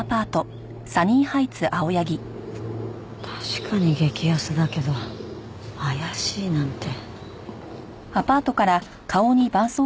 確かに激安だけど怪しいなんて。